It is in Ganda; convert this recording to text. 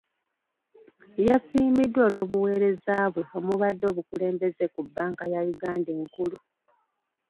Yasiimiddwa olw’obuweereza bwe omubadde obukulembeze ku bbanka ya Uganda enkulu.